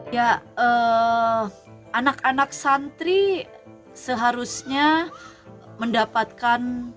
ya anak anak santri seharusnya mendapatkan